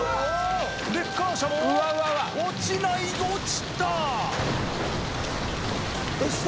レッカー車も落ちない落ちた！